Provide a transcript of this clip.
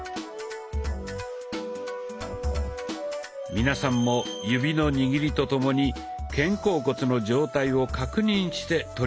皆さんも指の握りとともに肩甲骨の状態を確認して取り組んでみましょう。